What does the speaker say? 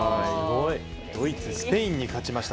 ドイツ、スペインに勝ちました。